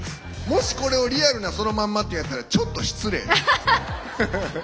もし、これをリアルな、そのまんまっていうんやったらちょっと失礼よ。